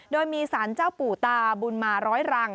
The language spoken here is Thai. โดยมีสารเจ้าปู่ตาบุญมาร้อยรัง